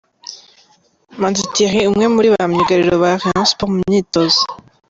Manzi Thierry, umwe muri ba myugariro ba Rayon sports mu myitozo.